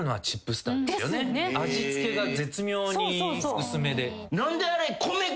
味付けが絶妙に薄めで。